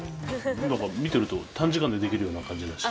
なんか見てると短時間でできるような感じだし。